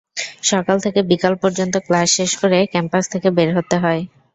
সকাল থেকে বিকেল পর্যন্ত ক্লাস শেষ করে ক্যাম্পাস থেকে বের হতে হয়।